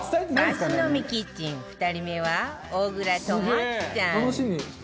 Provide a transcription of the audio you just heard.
サシ飲みキッチン２人目は小倉智昭さん